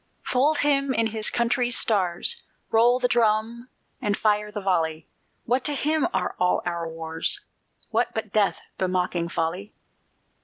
Fold him in his country's stars, Roll the drum and fire the volley! What to him are all our wars, What but death bemocking folly?